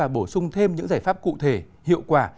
bổ sung thêm những giải pháp cụ thể hiệu quả